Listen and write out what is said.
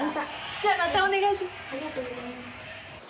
じゃあまたお願いします